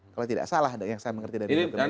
kalau tidak salah yang saya mengerti dari pertemuan